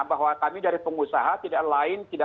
bahwa kami dari pengusaha tidak lain tidak